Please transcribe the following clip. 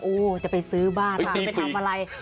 จะไปซื้อบ้านพาไปทำอะไร